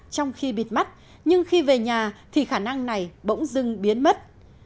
trong khi bịt mắt nhưng khi về nhà thì khả năng này bỗng dưng biến mất